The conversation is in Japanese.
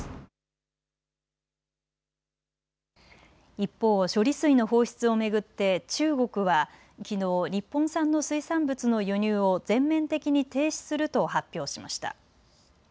一方、処理水の放出を巡って中国はきのう、日本産の水産物の輸入を全面的に停止すると発表しました。